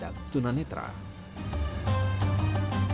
bahkan juga kata ultra yu trab